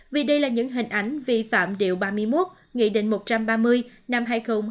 vì đây là những hình ảnh vi phạm điều ba mươi một nghị định một trăm ba mươi năm hai nghìn một mươi